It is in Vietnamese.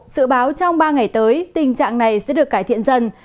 sự báo trong ba ngày tới tình trạng này sẽ được cải thiện dần